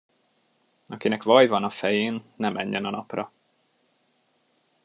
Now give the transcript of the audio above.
Akinek vaj van a fején, ne menjen a napra.